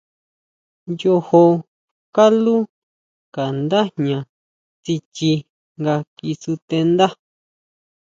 Yojo kalú ka ndá jña tsichi nga kisutendá.